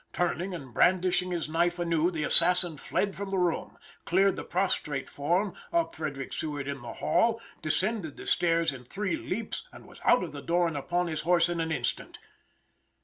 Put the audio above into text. Turning and brandishing his knife anew, the assassin fled from the room, cleared the prostrate form of Frederick Seward in the hall, descended the stairs in three leaps, and was out of the door and upon his horse in an instant.